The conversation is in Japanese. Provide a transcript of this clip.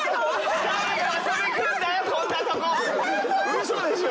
ウソでしょ？